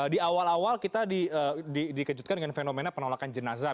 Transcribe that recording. di awal awal kita dikejutkan dengan fenomena penolakan jenazah